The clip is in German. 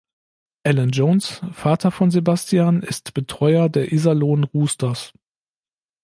Alan Jones, Vater von Sebastian, ist Betreuer der Iserlohn Roosters.